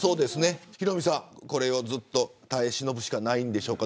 ヒロミさん、これはずっと耐え忍ぶしかないんですか。